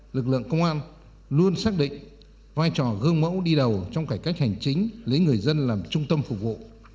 lực lượng công an luôn xác định vai trò gương mẫu đi đầu trong cải cách hành chính lấy người dân làm trung tâm phục vụ